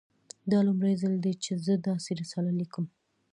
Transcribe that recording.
دا لومړی ځل دی چې زه داسې رساله لیکم